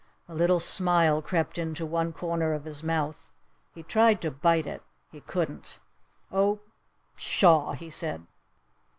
A little smile crept into one corner of his mouth. He tried to bite it. He couldn't. "Oh pshaw!" he said.